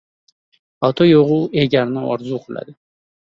• Oti yo‘g‘-u, egarni orzu qiladi.